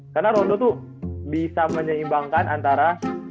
karena rondo tuh bisa menyeimbangkan antara